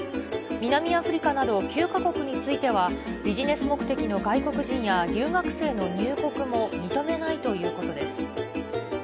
南アフリカなど９か国については、ビジネス目的の外国人や、留学生の入国も認めないということです。